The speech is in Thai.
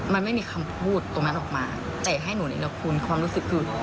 มันไม่มีคำพูดตรงนั้นออกมาเตะให้หนูนิรคุณความรู้สึกคือ